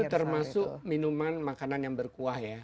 ya itu termasuk minuman makanan yang berkuah ya